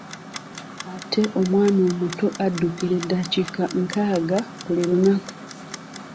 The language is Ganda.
Ate omwana omuto addukira eddakiika nkaaga buli lunaku.